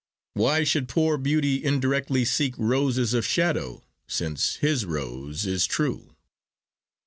Why should poor beauty indirectly seek Roses of shadow, since his rose is true?